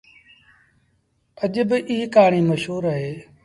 اڄ با ايٚ ڪهآڻيٚ مشهور اهي۔